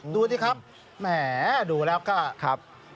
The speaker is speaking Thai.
ดูสิครับแหม่ดูแล้าก็